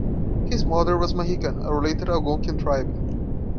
His mother was Mahican, a related Algonquian tribe.